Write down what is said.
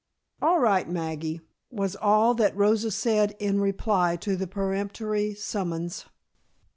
"All right, Maggie," was all that Rosa said in reply to the peremptory summons.